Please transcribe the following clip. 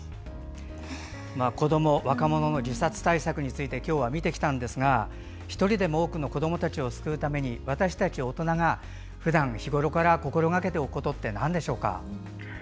子ども・若者の自殺対策について今日は見てきたんですが１人でも多くの子どもたちを救うために、私たち大人がふだん日ごろから心がけておくことはなんでしょう。